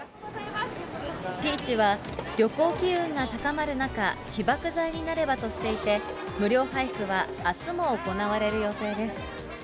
ピーチは、旅行機運が高まる中、起爆剤になればとしていて、無料配布はあすも行われる予定です。